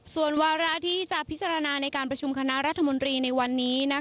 ส่วนวาระที่จะพิจารณาในการประชุมคณะรัฐมนตรีในวันนี้